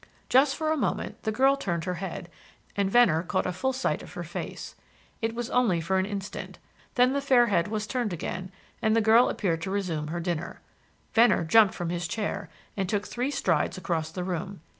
Just for a moment the girl turned her head, and Venner caught a full sight of her face. It was only for an instant; then the fair head was turned again, and the girl appeared to resume her dinner. Venner jumped from his chair and took three strides across the room.